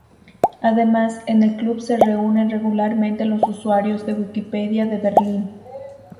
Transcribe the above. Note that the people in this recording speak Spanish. Además, en el club se reúnen regularmente los usuarios de Wikipedia de Berlín.